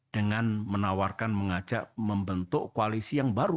dengan menawarkan mengajak membentuk koalisi yang baru